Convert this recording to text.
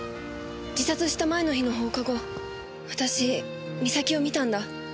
自殺した前の日の放課後私美咲を見たんだ。